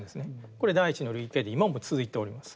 これ第一の類型で今も続いております。